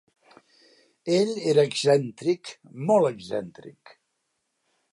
Ell era excèntric, molt excèntric.